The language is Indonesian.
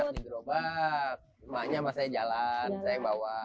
kalau di gerobak emaknya masih jalan saya yang bawa